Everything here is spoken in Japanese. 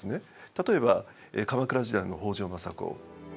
例えば鎌倉時代の北条政子。